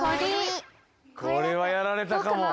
これはやられたかも。